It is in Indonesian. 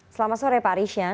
selamat sore pak rishian